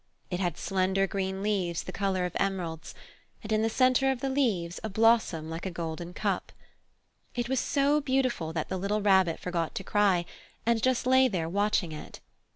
It had slender green leaves the colour of emeralds, and in the centre of the leaves a blossom like a golden cup. It was so beautiful that the little Rabbit forgot to cry, and just lay there watching it.